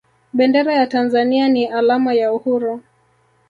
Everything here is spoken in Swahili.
bendera ya tanzania ni alama ya uhuru